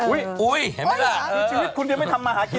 โรคจิต